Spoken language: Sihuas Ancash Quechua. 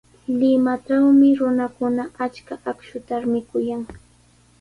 Limatrawmi runakuna achka akshuta mikuyan.